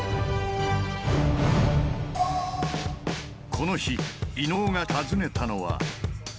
この日伊野尾が訪ねたのは。